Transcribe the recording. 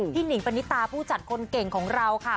หนิงปณิตาผู้จัดคนเก่งของเราค่ะ